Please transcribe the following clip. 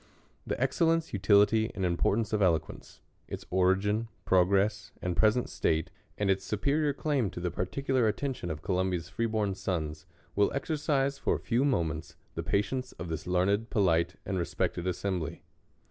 THE excellence, utility, and importance of Elo quence ; its origin, progress, and present state; and its superior claim to the particular attention of Columbia's free born sons, will exercise for a. few mo ments the patience of this learned, polite, and respected assembly.